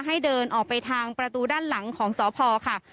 ให้เดินออกไปทางประตูด้านหลังของสพค่ะ